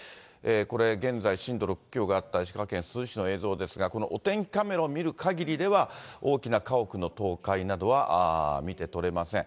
これ、現在、震度６強があった石川県珠洲市の映像ですが、このお天気カメラを見るかぎりでは、大きな家屋の倒壊などは見て取れません。